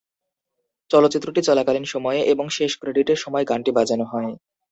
চলচ্চিত্রটি চলাকালীন সময়ে এবং শেষ ক্রেডিটের সময় গানটি বাজানো হয়।